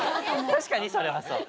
確かにそれはそう。